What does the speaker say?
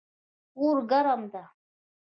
اور ګرم ده